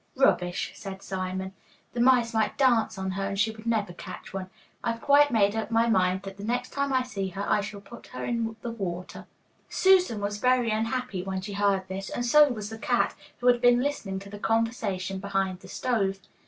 'Rubbish,' said Simon. 'The mice might dance on her and she would never catch one. I've quite made up my mind that the next time I see her, I shall put her in the water.' Susan was very unhappy when she heard this, and so was the cat, who had been listening to the conversation behind the stove.